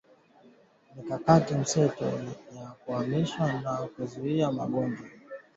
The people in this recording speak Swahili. mikakati mseto ya kuhamasisha na kuzuia magonjwa